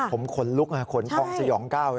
ผมขนลุกขนพองสยองก้าวเลย